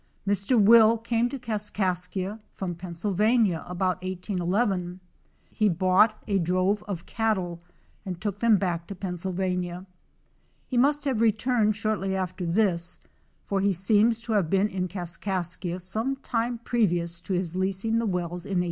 Mr. Will came to Kaskaskia from Pennsyl vania about 1811. He bought a drove of cattle and took them back to Pennsylvania. He must have returned shortly after this, for he seems to have been in Kaskaskia some time previous to his leasing the wells in 1815.